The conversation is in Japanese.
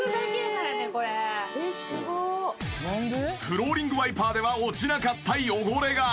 フローリングワイパーでは落ちなかった汚れが。